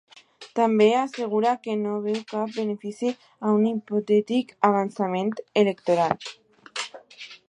També assegura que no veu cap benefici a un hipotètic avançament electoral.